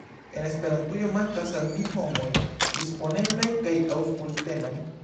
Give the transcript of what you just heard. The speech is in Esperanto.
De Esperantujo, mankas al mi homoj disponeblaj kaj aŭskultemaj.